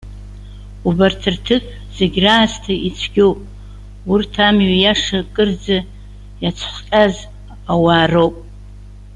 Убарҭ рҭыԥ, зегьы раасҭа ицәгьоуп, урҭ амҩа иаша кырӡа иацәхҟьаз ауаа роуп.